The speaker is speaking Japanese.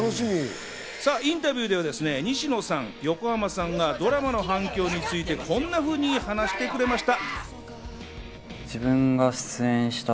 インタビューでは西野さん、横浜さんがドラマの反響について、こんなふうに話してくれました。